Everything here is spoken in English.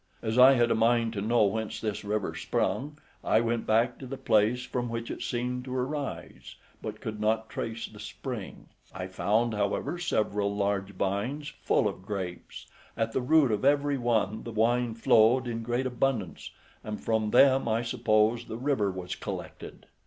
As I had a mind to know whence this river sprung, I went back to the place from which it seemed to arise, but could not trace the spring; I found, however, several large vines full of grapes, at the root of every one the wine flowed in great abundance, and from them I suppose the river was collected.